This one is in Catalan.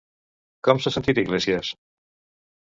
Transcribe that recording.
Com s'ha sentit Iglesias?